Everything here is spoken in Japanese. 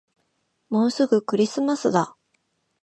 もうすぐクリスマスだ